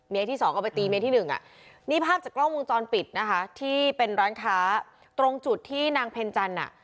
เมฆที่๒ก็ไปตีเมฆที่๑นี่ภาพจากกล้องวงจรปิดนะคะที่เป็นร้านค้าตรงจุดที่นางเพนจัน